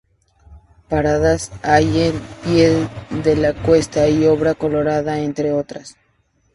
Paradas hay en "Pie de la Cuesta" y "Abra Colorada", entre otras.